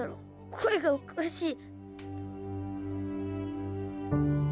声がおかしい。